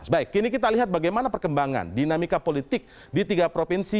baik kini kita lihat bagaimana perkembangan dinamika politik di tiga provinsi